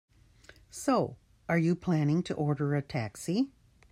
So, are you planning to order a taxi?